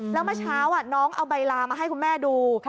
แล้วเมื่อเช้าน้องเอาใบลามาให้คุณแม่ดู